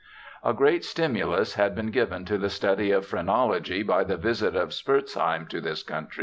A great stimulus had been given to the study of phrenology by the visit of Spurzheim to this country.